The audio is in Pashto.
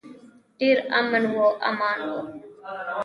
ډیر امن و امان و.